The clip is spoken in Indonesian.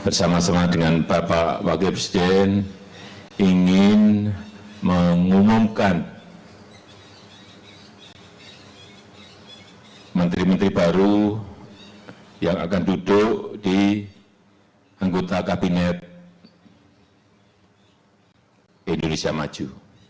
bersama sama dengan bapak wakil presiden ingin mengumumkan menteri menteri baru yang akan duduk di anggota kabinet indonesia maju